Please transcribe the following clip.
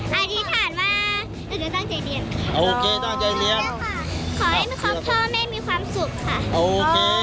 ขอให้ของพ่อไม่มีความสุขค่ะโอเค